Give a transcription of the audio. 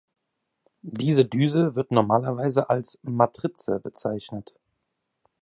Diese Düse wird normalerweise als „Matrize“ bezeichnet.